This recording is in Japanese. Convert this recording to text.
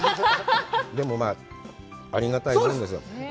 でも、まあ、ありがたいもんですよ。